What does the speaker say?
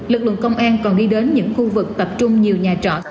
lực lượng công an còn đi đến những khu vực tập trung nhiều nhà trọ